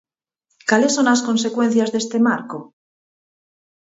¿Cales son as consecuencias deste marco?